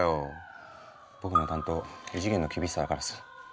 僕の担当異次元の厳しさだからさ。